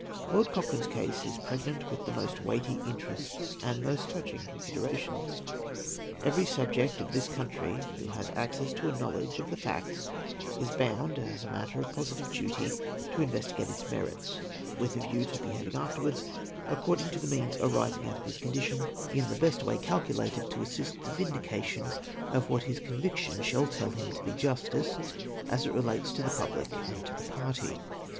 Lord Cochrane's case is pregnant with the most weighty interests and most touching considerations. Every subject of this country who has access to a knowledge of the facts is bound, as a matter of positive duty, to investigate its merits, with a view to behaving afterwards, according to the means arising out of his condition, in the best way calculated to OPINIONS OF THE PRESS. 479 assist the vindicatiou of what his couviction shall tell hiin to be justice, as it relates to the public and to the party.